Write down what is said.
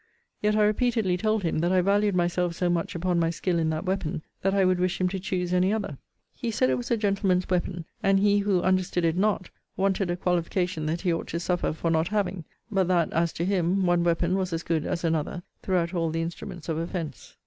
Yet I repeatedly told him, that I valued myself so much upon my skill in that weapon, that I would wish him to choose any other. He said it was a gentleman's weapon; and he who understood it not, wanted a qualification that he ought to suffer for not having: but that, as to him, one weapon was as good as another, throughout all the instruments of offence.